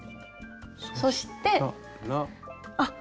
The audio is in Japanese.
そしてあっ。